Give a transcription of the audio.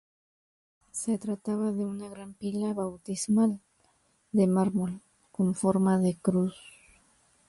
Se trataba de una gran pila bautismal de mármol con forma de cruz.